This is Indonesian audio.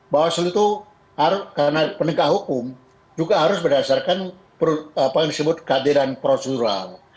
bawaslu itu karena peningkat hukum juga harus berdasarkan apa yang disebut kd dan projural